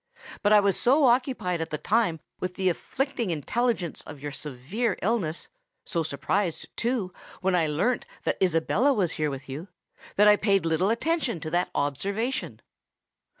But I was so occupied at the time with the afflicting intelligence of your severe illness—so surprised, too, when I learnt that Isabella was here with you,—that I paid but little attention to that observation."